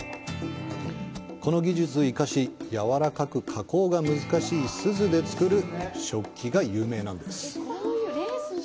この技術を生かし、軟らかく、加工が難しい錫で作る食器が有名なんです。